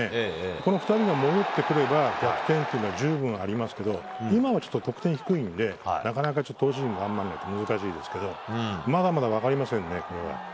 この２人が戻ってくれば逆転というのは十分ありますけど今はちょっと得点低いので難しいですけどまだまだ分かりませんね。